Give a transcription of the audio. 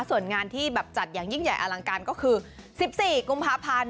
ส่วนงานที่แบบจัดอย่างยิ่งใหญ่อลังการก็คือ๑๔กุมภาพันธ์